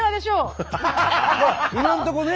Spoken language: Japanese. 今のとこね。